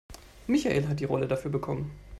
Michael hat die Rolle dafür bekommen.